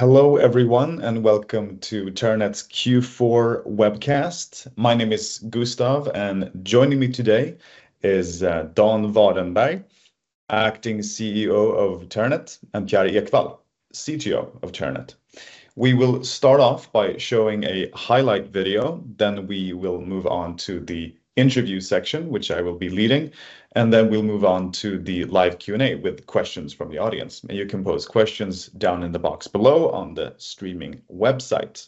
Hello everyone, and welcome to Terranet's Q4 Webcast. My name is Gustav, and joining me today is Dan Wahrenberg, Acting CEO of Terranet, and Pierre Ekwall, CTO of Terranet. We will start off by showing a highlight video, then we will move on to the interview section, which I will be leading, and then we'll move on to the live Q&A with questions from the audience. You can post questions down in the box below on the streaming website.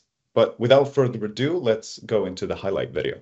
Without further ado, let's go into the highlight video.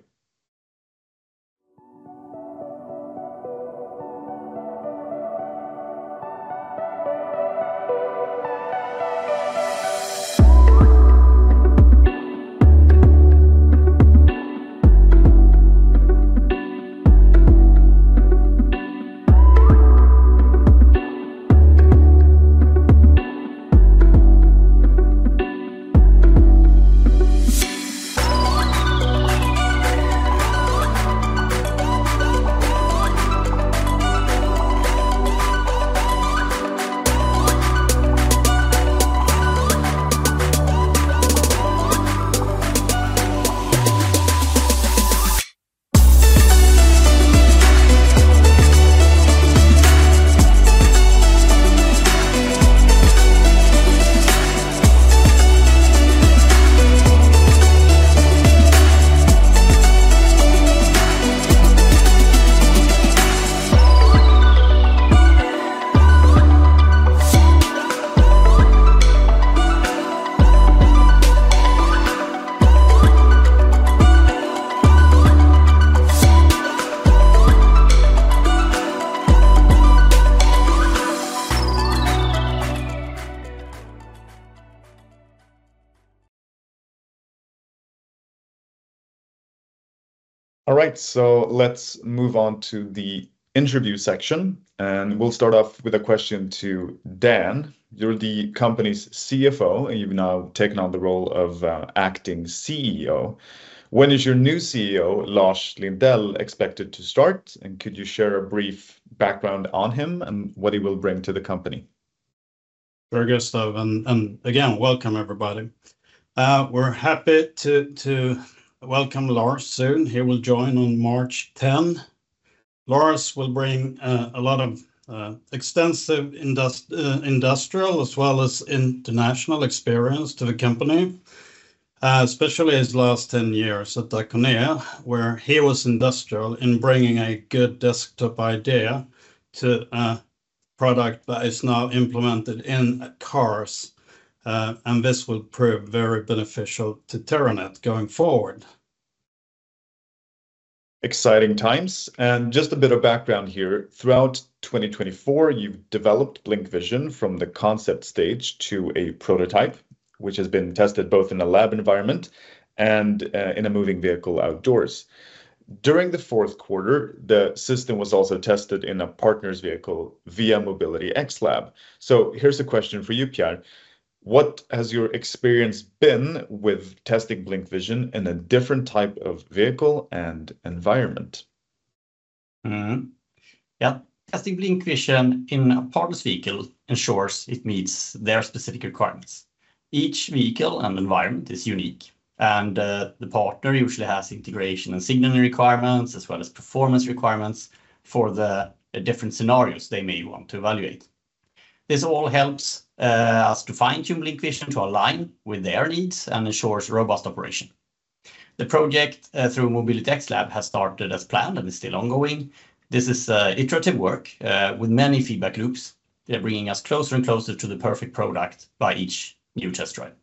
All right, let's move on to the interview section, and we'll start off with a question to Dan. You're the company's CFO, and you've now taken on the role of Acting CEO. When is your new CEO, Lars Lindell, expected to start? Could you share a brief background on him and what he will bring to the company? Sure, Gustav, and again, welcome everybody. We're happy to welcome Lars soon. He will join on March 10. Lars will bring a lot of extensive industrial as well as international experience to the company, especially his last 10 years at Diaconia, where he was instrumental in bringing a good desktop idea to a product that is now implemented in cars. This will prove very beneficial to Terranet going forward. Exciting times. Just a bit of background here. Throughout 2024, you've developed BlincVision from the concept stage to a prototype, which has been tested both in a lab environment and in a moving vehicle outdoors. During the fourth quarter, the system was also tested in a partner's vehicle via MobilityXlab. Here's a question for you, Pierre. What has your experience been with testing BlincVision in a different type of vehicle and environment? Yeah, testing BlincVision in a partner's vehicle ensures it meets their specific requirements. Each vehicle and environment is unique, and the partner usually has integration and signaling requirements as well as performance requirements for the different scenarios they may want to evaluate. This all helps us to fine-tune BlincVision to align with their needs and ensures robust operation. The project through MobilityXlab has started as planned and is still ongoing. This is iterative work with many feedback loops. They're bringing us closer and closer to the perfect product by each new test drive.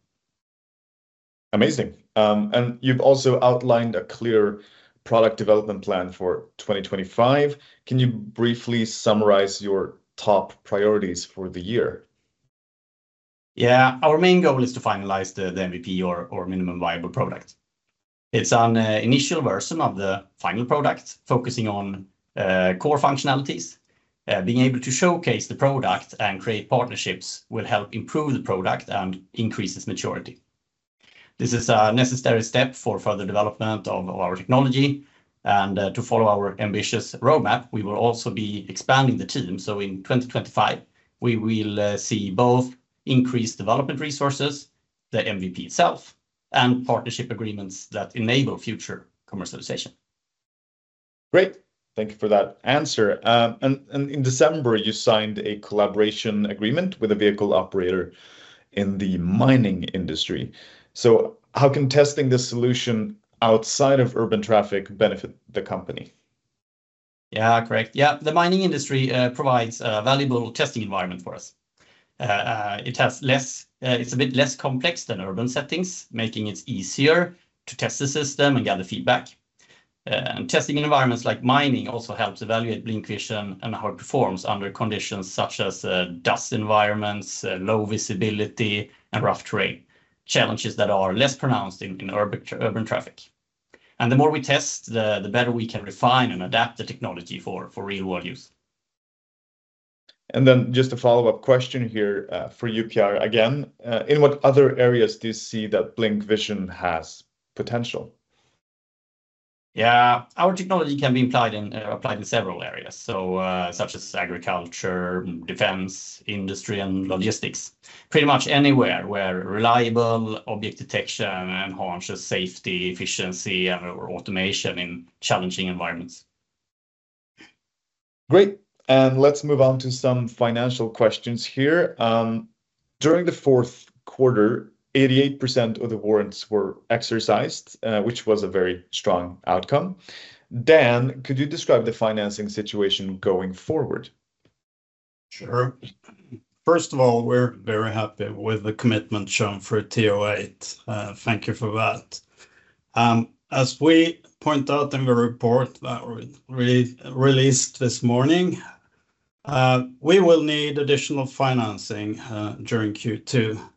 Amazing. You have also outlined a clear product development plan for 2025. Can you briefly summarize your top priorities for the year? Yeah, our main goal is to finalize the MVP or minimum viable product. It's an initial version of the final product focusing on core functionalities. Being able to showcase the product and create partnerships will help improve the product and increase its maturity. This is a necessary step for further development of our technology. To follow our ambitious roadmap, we will also be expanding the team. In 2025, we will see both increased development resources, the MVP itself, and partnership agreements that enable future commercialization. Great. Thank you for that answer. In December, you signed a collaboration agreement with a vehicle operator in the mining industry. How can testing this solution outside of urban traffic benefit the company? Yeah, correct. Yeah, the mining industry provides a valuable testing environment for us. It has less, it's a bit less complex than urban settings, making it easier to test the system and gather feedback. Testing environments like mining also helps evaluate BlincVision and how it performs under conditions such as dust environments, low visibility, and rough terrain, challenges that are less pronounced in urban traffic. The more we test, the better we can refine and adapt the technology for real-world use. Just a follow-up question here for you, Pierre, again. In what other areas do you see that BlincVision has potential? Yeah, our technology can be applied in several areas, such as agriculture, defense, industry, and logistics. Pretty much anywhere where reliable object detection enhances safety, efficiency, and automation in challenging environments. Great. Let's move on to some financial questions here. During the fourth quarter, 88% of the warrants were exercised, which was a very strong outcome. Dan, could you describe the financing situation going forward? Sure. First of all, we're very happy with the commitment shown for TO8. Thank you for that. As we point out in the report that we released this morning, we will need additional financing during Q2.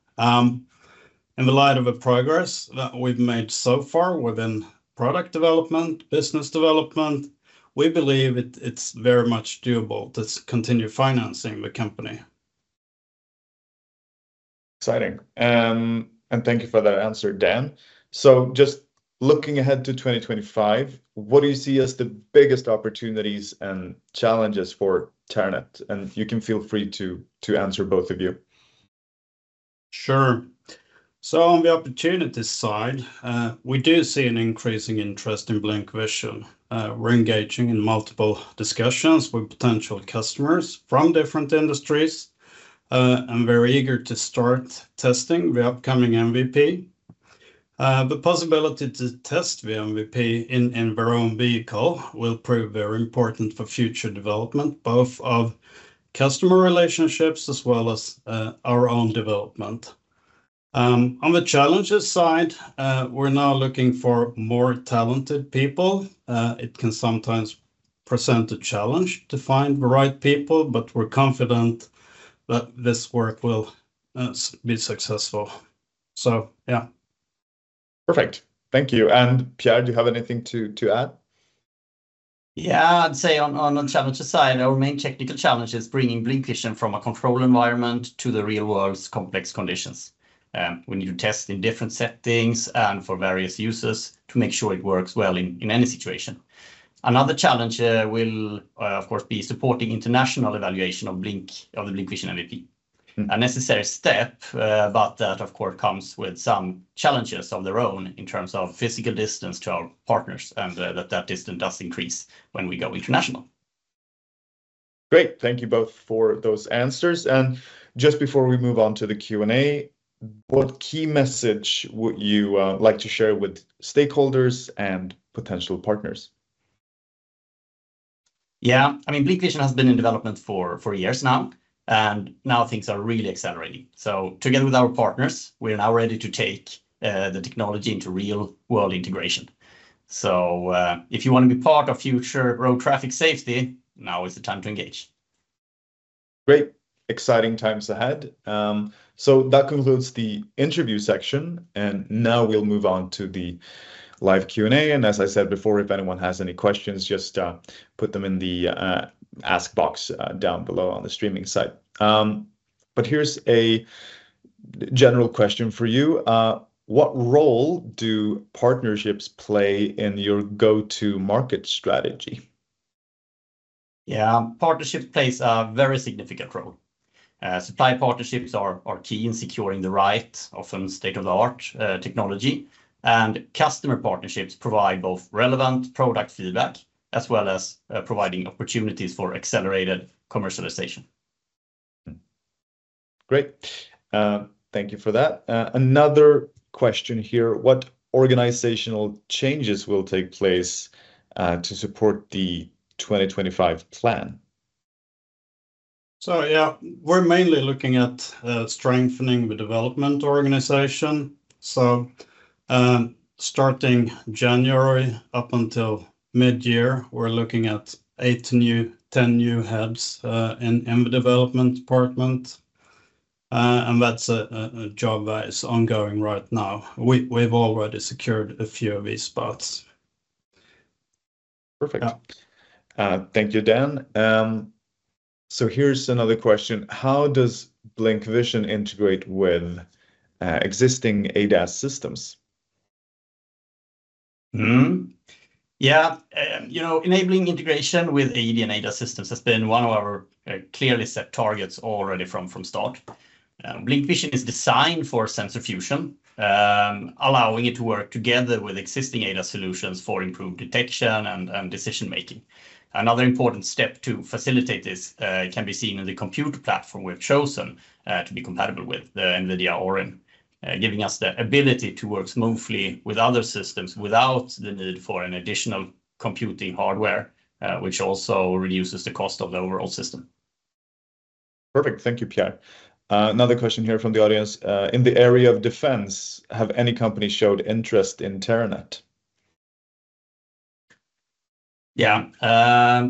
In the light of the progress that we've made so far within product development, business development, we believe it's very much doable to continue financing the company. Exciting. Thank you for that answer, Dan. Just looking ahead to 2025, what do you see as the biggest opportunities and challenges for Terranet? You can feel free to answer, both of you. Sure. On the opportunity side, we do see an increasing interest in BlincVision. We're engaging in multiple discussions with potential customers from different industries and very eager to start testing the upcoming MVP. The possibility to test the MVP in our own vehicle will prove very important for future development, both of customer relationships as well as our own development. On the challenges side, we're now looking for more talented people. It can sometimes present a challenge to find the right people, but we're confident that this work will be successful. Yeah. Perfect. Thank you. Pierre, do you have anything to add? Yeah, I'd say on the challenges side, our main technical challenge is bringing BlincVision from a control environment to the real world's complex conditions. We need to test in different settings and for various users to make sure it works well in any situation. Another challenge will, of course, be supporting international evaluation of the BlincVision MVP, a necessary step, but that, of course, comes with some challenges of their own in terms of physical distance to our partners and that that distance does increase when we go international. Great. Thank you both for those answers. Just before we move on to the Q&A, what key message would you like to share with stakeholders and potential partners? Yeah, I mean, BlincVision has been in development for years now, and now things are really accelerating. Together with our partners, we're now ready to take the technology into real-world integration. If you want to be part of future road traffic safety, now is the time to engage. Great. Exciting times ahead. That concludes the interview section. Now we'll move on to the live Q&A. As I said before, if anyone has any questions, just put them in the ask box down below on the streaming side. Here's a general question for you. What role do partnerships play in your go-to-market strategy? Yeah, partnerships play a very significant role. Supply partnerships are key in securing the right, often state-of-the-art technology. Customer partnerships provide both relevant product feedback as well as providing opportunities for accelerated commercialization. Great. Thank you for that. Another question here. What organizational changes will take place to support the 2025 plan? Yeah, we're mainly looking at strengthening the development organization. Starting January up until mid-year, we're looking at eight new, ten new heads in the development department. That's a job that is ongoing right now. We've already secured a few of these spots. Perfect. Thank you, Dan. Here is another question. How does BlincVision integrate with existing ADAS systems? Yeah, you know, enabling integration with AD and ADAS systems has been one of our clearly set targets already from start. BlincVision is designed for sensor fusion, allowing it to work together with existing ADAS solutions for improved detection and decision-making. Another important step to facilitate this can be seen in the computer platform we've chosen to be compatible with NVIDIA Orin, giving us the ability to work smoothly with other systems without the need for an additional computing hardware, which also reduces the cost of the overall system. Perfect. Thank you, Pierre. Another question here from the audience. In the area of defense, have any companies showed interest in Terranet? Yeah.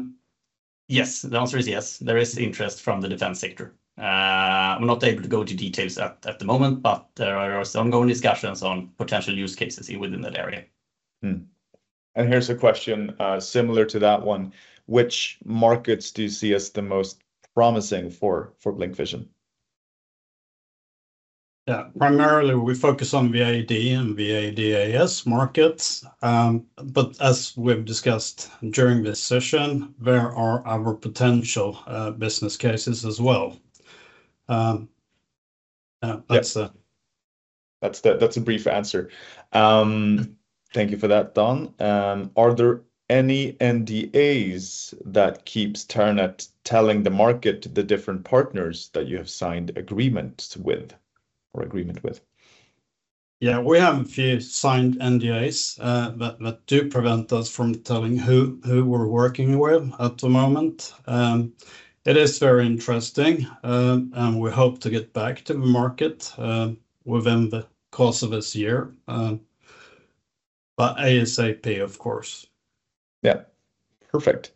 Yes, the answer is yes. There is interest from the defense sector. I'm not able to go into details at the moment, but there are ongoing discussions on potential use cases within that area. Here's a question similar to that one. Which markets do you see as the most promising for BlincVision? Yeah, primarily we focus on AD and ADAS markets. As we've discussed during this session, there are other potential business cases as well. That's a brief answer. Thank you for that, Dan. Are there any NDAs that keep Terranet telling the market the different partners that you have signed agreements with or agreement with? Yeah, we have a few signed NDAs that do prevent us from telling who we're working with at the moment. It is very interesting, and we hope to get back to the market within the course of this year. ASAP, of course. Yeah. Perfect.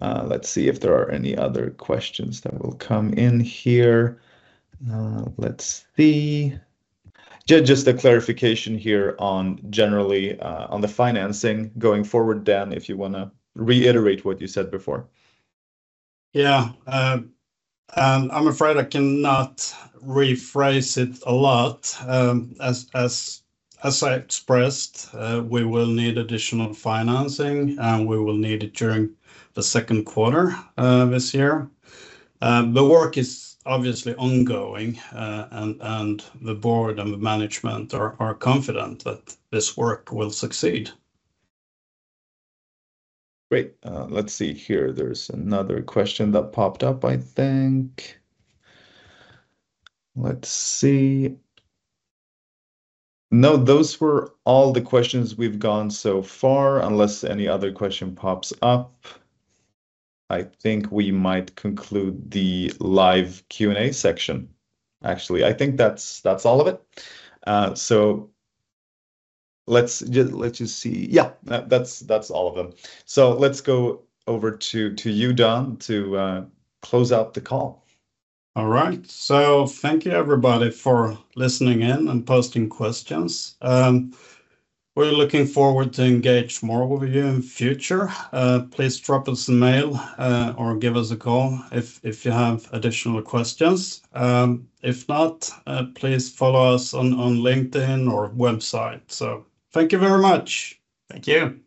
Let's see if there are any other questions that will come in here. Let's see. Just a clarification here on generally on the financing going forward, Dan, if you want to reiterate what you said before. Yeah. I am afraid I cannot rephrase it a lot. As I expressed, we will need additional financing, and we will need it during the second quarter this year. The work is obviously ongoing, and the board and the management are confident that this work will succeed. Great. Let's see here. There's another question that popped up, I think. Let's see. No, those were all the questions we've gone so far, unless any other question pops up. I think we might conclude the live Q&A section. Actually, I think that's all of it. Let's just see. Yeah, that's all of them. Let's go over to you, Dan, to close out the call. All right. Thank you, everybody, for listening in and posting questions. We're looking forward to engage more with you in the future. Please drop us an email or give us a call if you have additional questions. If not, please follow us on LinkedIn or our website. Thank you very much. Thank you.